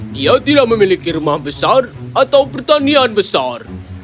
dia tidak memiliki rumah besar atau pertanian besar